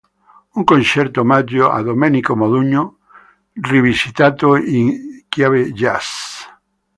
Un concerto-omaggio a Domenico Modugno rivisitato in chiave Jazz.